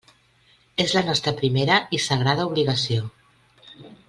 És la nostra primera i sagrada obligació.